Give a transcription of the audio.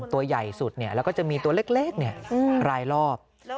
ตัวใหญ่สุดเนี่ยแล้วก็จะมีตัวเล็กเนี่ยรายรอบ